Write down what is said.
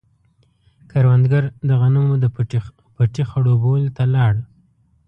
کروندګر د غنمو د پټي خړوبولو ته لاړ.